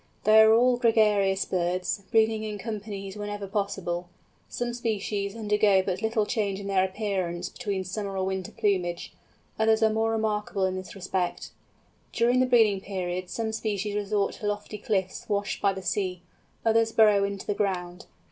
They are all gregarious birds, breeding in companies wherever possible. Some species undergo but little change in their appearance between summer or winter plumage; others are more remarkable in this respect. During the breeding period some species resort to lofty cliffs washed by the sea; others burrow into the ground.